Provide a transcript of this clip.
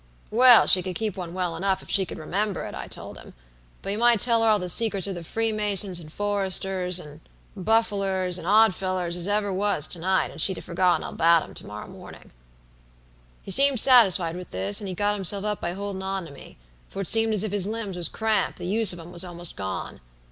"'Well, she could keep one well enough if she could remember it,' I told him; 'but you might tell her all the secrets of the Freemasons, and Foresters, and Buffalers and Oddfellers as ever was, to night: and she'd have forgotten all about 'em to morrow mornin'.' "He seemed satisfied with this, and he got himself up by holdin' on to me, for it seemed as if his limbs was cramped, the use of 'em was almost gone.